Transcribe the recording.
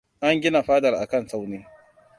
An gina fadar akan tsauni.